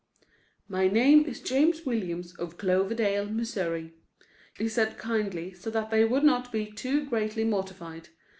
"My name is James Williams, of Cloverdale, Missouri," he said kindly, so that they would not be too greatly mortified.